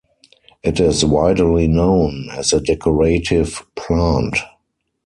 It is widely known as a decorative plant.